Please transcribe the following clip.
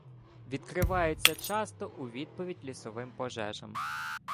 Відкриваються часто у відповідь лісовим пожежам.